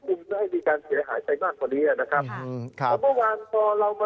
สูงไม่มีการเสียหายใจมากครับ